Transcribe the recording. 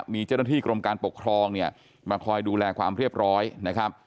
มีเจ้าหน้าที่กรมการปกครองเนี่ยมาคอยดูแลความเรียบร้อยนะครับ